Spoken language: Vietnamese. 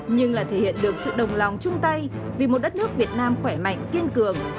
nhưng là thể hiện được sự đồng lòng chung tay vì một đất nước việt nam khỏe mạnh kiên cường